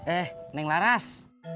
eh neng laras